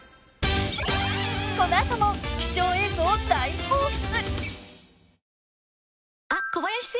［この後も貴重映像を大放出］